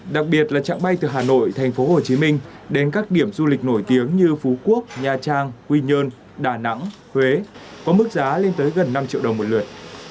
giá vé máy bay từ hà nội thành phố hồ chí minh đến các điểm du lịch nổi tiếng như phú quốc nha trang quy nhơn đà nẵng huế có mức giá lên tới gần năm triệu đồng một lượt